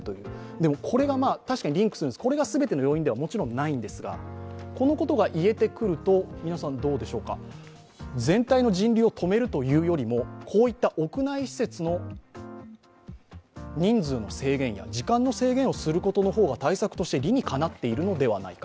でもこれが確かにリンクするんです、これが全てのリンクの要因ではもちろんないんですが、このことがいえてくると皆さんどうでしょうか全体の人流を止めるというよりもこういった屋内施設の人数の制限や時間の制限をすることの方が対策として理にかなっているのではないか。